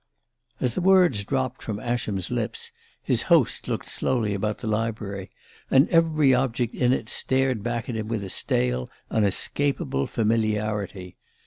As the words dropped from Ascham's lips his host looked slowly about the library, and every object in it stared back at him with a stale unescapable familiarity.